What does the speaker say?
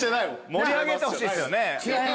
盛り上げてほしいっすよね。